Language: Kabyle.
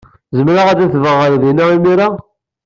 Zemreɣ ad adfeɣ ɣer din imir-a?